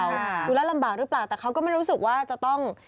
ดูแล้วลำบากหรือเปล่าแต่เขาก็ไม่รู้สึกว่าจะต้อง